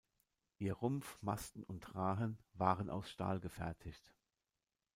Ihr Rumpf, Masten und Rahen waren aus Stahl gefertigt.